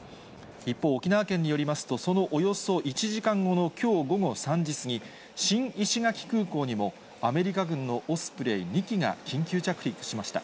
一方、沖縄県によりますと、そのおよそ１時間後のきょう午後３時過ぎ、新石垣空港にも、アメリカ軍のオスプレイ２機が緊急着陸しました。